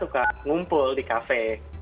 kumpul di kafe